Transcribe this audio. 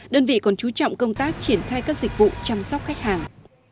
đơn vị còn chú trọng công tác triển khai các dịch vụ chăm sóc khách hàng